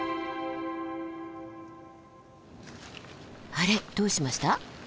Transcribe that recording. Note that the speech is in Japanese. あれどうしました？